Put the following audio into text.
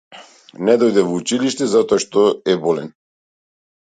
Не дојде во училиште затоа што е болен.